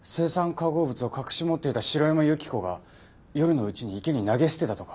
化合物を隠し持っていた城山由希子が夜のうちに池に投げ捨てたとか。